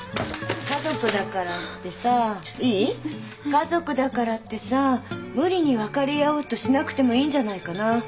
家族だからってさ無理に分かり合おうとしなくてもいいんじゃないかな。